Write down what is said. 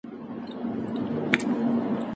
نوې پوهه نوې لارې ښيي.